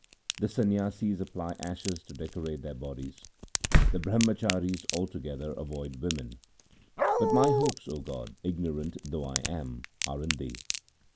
The Sanyasis apply ashes to decorate their bodies, The Brahmacharis altogether avoid women ; But my hopes O God, ignorant though I am, are in Thee.